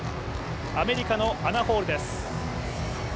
アメリカのアナ・ホールです。